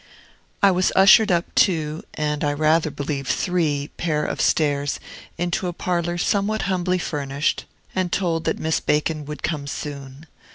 I was ushered up two (and I rather believe three) pair of stairs into a parlor somewhat humbly furnished, and told that Miss Bacon would come soon.